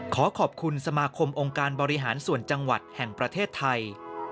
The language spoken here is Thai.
ขอขอบคุณสมาคมองค์การบริหารส่วนจังหวัดแห่งประเทศไทย